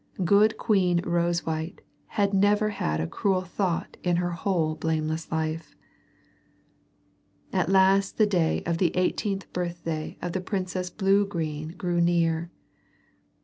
Good Queen Rosewhite had never had a cruel thought in her whole blameless life. At last the day of the eighteenth birthday of the Princess Bluegreen grew near.